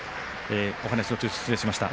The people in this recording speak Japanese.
お話の途中、失礼しました。